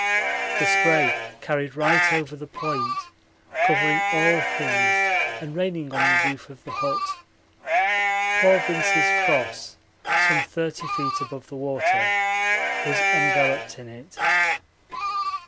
The spray carried right over the Point covering all things and raining on the roof of the hut. Poor Vince's cross, some 30 feet above the water, was enveloped in it.